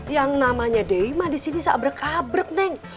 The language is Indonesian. yang namanya dewi mah disini sabrek kabrek neng